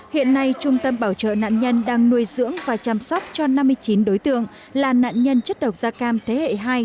hiện nay trung tâm bảo trợ nạn nhân đang nuôi dưỡng và chăm sóc cho năm mươi chín đối tượng là nạn nhân chất độc da cam thế hệ hai